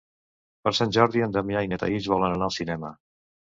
Per Sant Jordi en Damià i na Thaís volen anar al cinema.